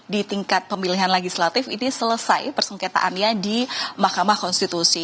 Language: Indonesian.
di tingkat pemilihan legislatif ini selesai persengketaannya di mahkamah konstitusi